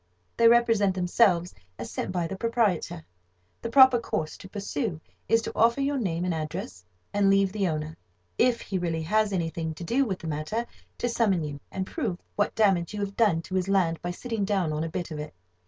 They represent themselves as sent by the proprietor. The proper course to pursue is to offer your name and address, and leave the owner, if he really has anything to do with the matter, to summon you, and prove what damage you have done to his land by sitting down on a bit of it.